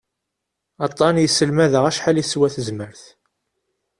Aṭṭan yesselmad-aɣ acḥal i teswa tezmert.